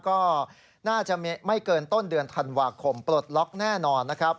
ก็น่าจะไม่เกินต้นเดือนธันวาคมปลดล็อกแน่นอนนะครับ